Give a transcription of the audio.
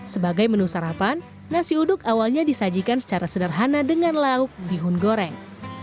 sebagai menu sarapan nasi uduk awalnya disajikan secara sederhana dengan lauk bihun goreng